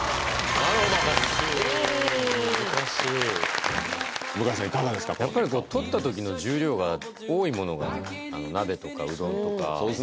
この結果やっぱりこう取った時の重量が多いものが鍋とかうどんとかそうですね！